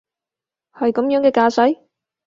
係噉樣嘅架勢？